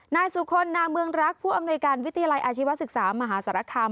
นายสุคลนาเมืองรักผู้อำนวยการวิทยาลัยอาชีวศึกษามหาสารคาม